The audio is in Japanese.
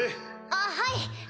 ・あっはい！